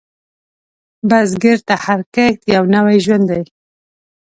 بزګر ته هر کښت یو نوی ژوند دی